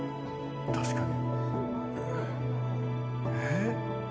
確かに。